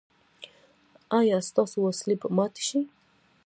ایا ستاسو وسلې به ماتې شي؟